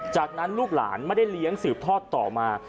จากนั้นลูกหลานไม่ได้เลี้ยงสืบทอดต่อมา